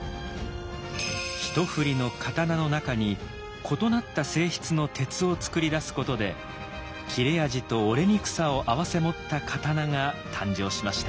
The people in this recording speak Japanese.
一振りの刀の中に異なった性質の鉄を作り出すことで切れ味と折れにくさを併せ持った刀が誕生しました。